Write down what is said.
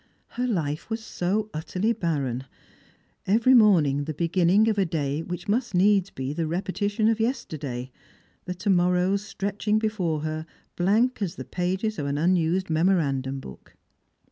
Her life was so utterly barren — every morning the beginning of a day which must needs be the repetition of yesterday — the to moiTows stretching before her blank as the pages of an unused memorandum book.